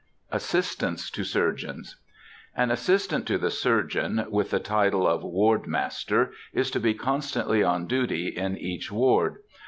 ASSISTANTS TO SURGEONS. An assistant to the surgeon (with the title of Ward master) is to be constantly on duty in each ward.